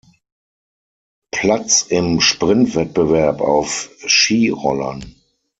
Platz im Sprintwettbewerb auf Skirollern.